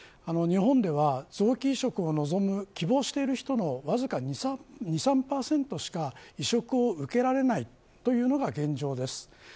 日本では臓器移植を望む希望している人のわずか２３％しか移植を受けられないというのが現状です。